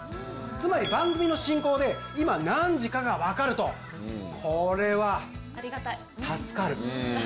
つまり番組の進行で今何時かが分かるとこれは助かる・ありがたい